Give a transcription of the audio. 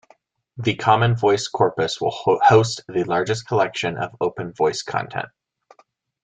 The common voice corpus will host the largest collection of open voice content.